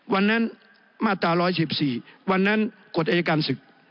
วันนั้นมาตราร้อยเฉียบสี่วันนั้นกฎอัยการศึกษ์